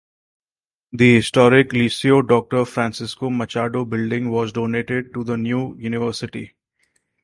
The historic Liceu Doctor Francisco Machado building was donated to the new university.